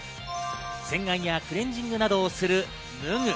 洗顔やクレンジングなどをする脱ぐ。